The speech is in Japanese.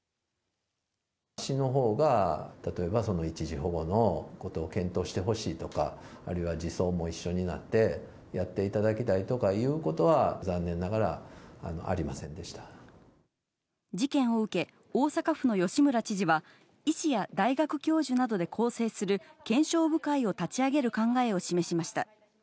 市のほうが例えば一時保護のことを検討してほしいとか、あるいは児相も一緒になってやっていただきたいとかいうことは、事件を受け、大阪府の吉村知事は、医師や大学教授などで構成する検証部会を立ち上げる考えを示しました。